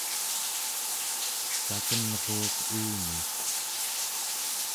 takenruuq uumi